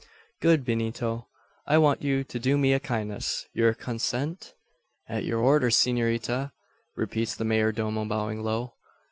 "Good Benito, I want you to do me a kindness. You consent?" "At your orders, s'norita?" repeats the mayor domo, bowing low.